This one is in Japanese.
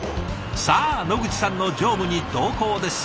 さあ野口さんの乗務に同行です。